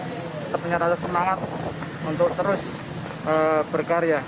kita punya rasa semangat untuk terus berkarya